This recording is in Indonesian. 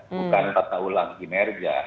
bukan tata ulang kinerja